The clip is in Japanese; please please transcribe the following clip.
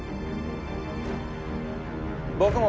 僕も。